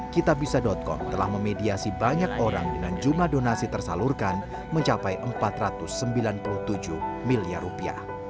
kitabisa com telah memediasi banyak orang dengan jumlah donasi tersalurkan mencapai empat ratus sembilan puluh tujuh miliar rupiah